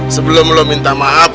sebelum lo minta maaf